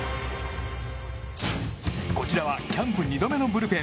こちらはキャンプ２度目のブルペン。